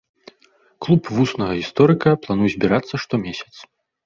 Клуб вуснага гісторыка плануе збірацца штомесяц.